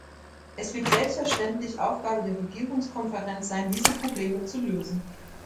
Es wird selbstverständlich Aufgabe der Regierungskonferenz sein, diese Probleme zu lösen.